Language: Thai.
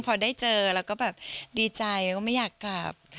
พอได้เจอแล้วก็แบบดีใจแล้วก็ไม่อยากกลับ